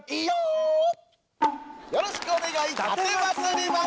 よろしくお願い。